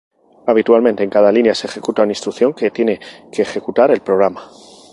Habitualmente en cada línea se ejecuta una instrucción que tiene que ejecutar el programa.